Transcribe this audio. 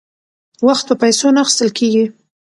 وخت په پیسو نه اخیستل کیږي.